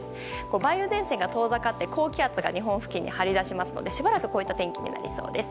梅雨前線が遠ざかって高気圧が日本付近に張り出すのでしばらく、こういった天気になりそうです。